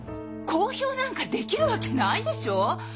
公表なんかできるわけないでしょう？